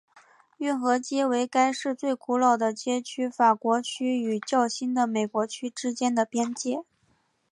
运河街为该市最古老的街区法国区与较新的美国区之间的边界。